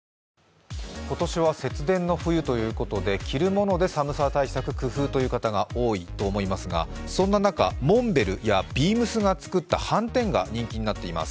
今年は節電の冬ということで着るもので寒さ対策、工夫という方が多いと思いますがそんな中、モンベルやＢＥＡＭＳが作ったはんてんが人気になっています。